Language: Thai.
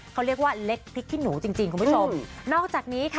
เขาเรียกว่าเล็กพริกขี้หนูจริงจริงคุณผู้ชมนอกจากนี้ค่ะ